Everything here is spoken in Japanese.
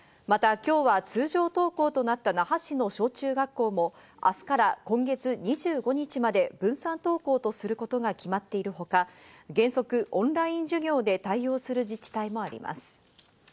また今日は通常登校となった那覇市の小中学校も明日から今月２５日まで分散登校とすることが決まっているほか、原則オンライン授業で対応する自治体もあります。